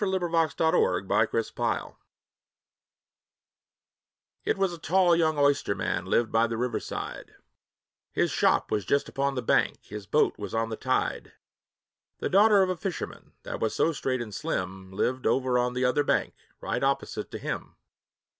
THE BALLAD OF THE OYSTERMAN IT was a tall young oysterman lived by the river side, His shop was just upon the bank, his boat was on the tide; The daughter of a fisherman, that was so straight and slim, Lived over on the other bank, right opposite to him.